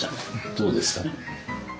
どうですか？